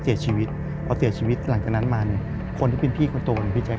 เสียชีวิตนะเพราะมีตรงนั้นมาเนี่ยคนเป็นพี่คุณโตนะพี่แจ๊ค